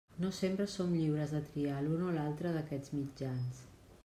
No sempre som lliures de triar l'un o l'altre d'aquests mitjans.